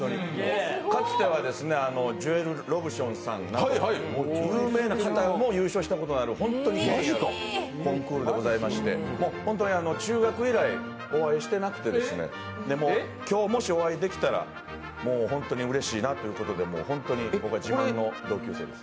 かつてはジョエル・ロブションとかも優勝したことのある権威あるコンクールでございまして中学以来お会いしてなくて、今日、もしお会いできたらもう本当にうれしいなということで本当に自慢の同級生です。